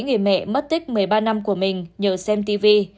người mẹ mất tích một mươi ba năm của mình nhờ xem tv